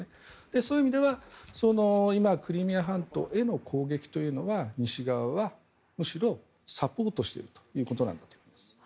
そういう意味では今クリミア半島への攻撃というのは西側はむしろサポートしているということなんだと思います。